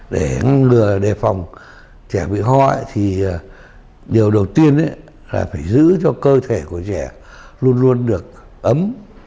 để ngăn ngừa để phòng trẻ bị ho ấy thì điều đầu tiên ấy là phải giữ cho cơ thể của trẻ luôn luôn được ấm